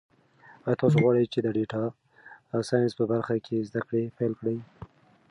ایا تاسو غواړئ چې د ډیټا ساینس په برخه کې زده کړې پیل کړئ؟